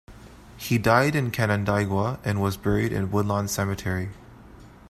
He died in Canandaigua and was buried at Woodlawn Cemetery.